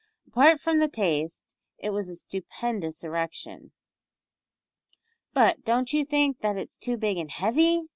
Apart from taste it was a stupendous erection. "But don't you think that it's too big and heavy?"